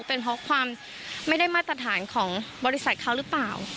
เป็นเพราะความไม่ได้มาตรฐานของบริษัทเขาหรือเปล่า